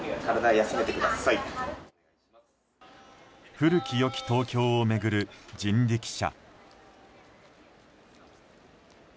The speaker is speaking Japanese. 古き良き東京を巡る人力車。